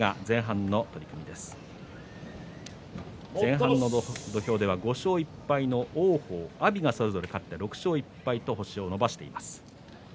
前半の土俵では５勝１敗の王鵬と阿炎がそれぞれ勝って６勝１敗と星を伸ばしています。